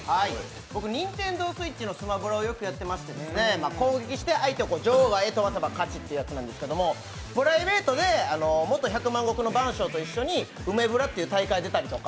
ＮｉｎｔｅｎｄｏＳｗｉｔｃｈの「スマブラ」をよくやってまして攻撃して相手を場外へ飛ばせば勝ちというやつなんですけど、プライベートで元百万石のバンショウと一緒に「うめブラ」という大会に出たりとか。